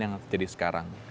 yang terjadi sekarang